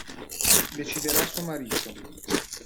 Deciderà suo marito.